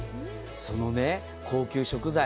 その高級食材。